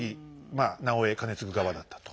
あ直江兼続側だったと。